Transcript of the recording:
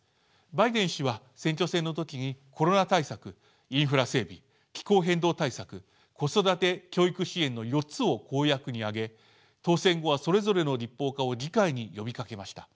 バイデン氏は選挙戦の時にコロナ対策インフラ整備気候変動対策子育て・教育支援の４つを公約にあげ当選後はそれぞれの立法化を議会に呼びかけました。